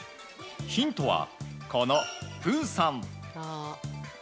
ヒントは、このプーさん。